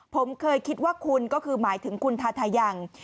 ผมเคยคิดว่าคุณก็คือหมายถึงคุณทาทายัง